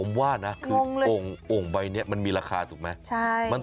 มันก็เลยแบบหาทางเอากันจนได้